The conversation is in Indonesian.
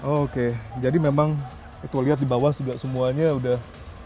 oke jadi memang itu lihat di bawah juga semuanya udah